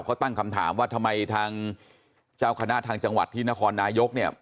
เขาตั้งคำถามว่าทำไมทางเจ้าคณะทางจังหวัดที่นครนายกเนี่ย